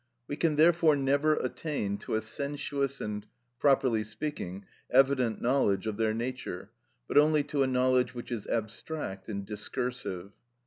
We can therefore never attain to a sensuous and, properly speaking, evident knowledge of their nature, but only to a knowledge which is abstract and discursive.